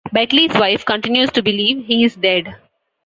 Beckley's wife continues to believe he is dead.